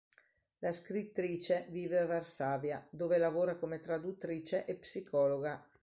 La scrittrice vive a Varsavia, dove lavora come traduttrice e psicologa.